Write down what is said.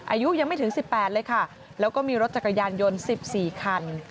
อายุยังไม่ถึง๑๘เลยค่ะแล้วก็มีรถจักรยานยนต์๑๔คัน